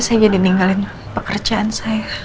saya jadi ninggalin pekerjaan saya